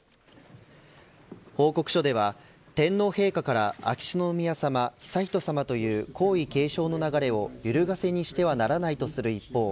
報告書では、天皇陛下から秋篠宮さま、悠仁さまという皇位継承の流れをゆるがせにしてはならないとする一方